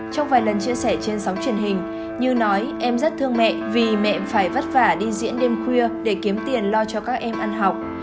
trong vài lần chia sẻ trên sóng truyền hình như nói em rất thương mẹ vì mẹ phải vất vả đi diễn đêm khuya để kiếm tiền lo cho các em ăn học